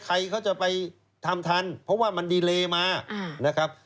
ใครเขาจะไปทำทันเพราะว่ามันดีเลมานะครับ